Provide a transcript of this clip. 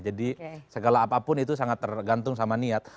jadi segala apapun itu sangat tergantung sama niat